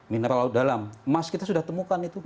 mineral laut dalam emas kita sudah temukan itu